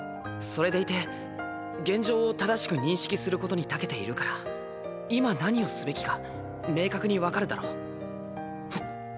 それでいて現状を正しく認識することにたけているから今何をすべきか明確に分かるだろ？